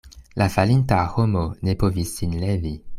La falinta homo ne povis sin levi.